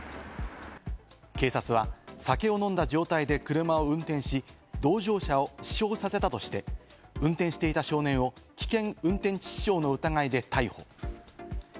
警察は酒を飲んだ状態で車を運転し、同乗者を死傷させたとして、運転していた少年を危険運転致死傷の疑いで逮捕。